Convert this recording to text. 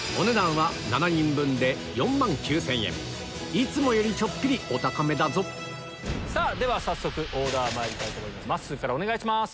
いつもよりちょっぴりお高めだぞでは早速オーダーまいりますまっすーからお願いします。